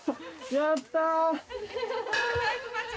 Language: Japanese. やった！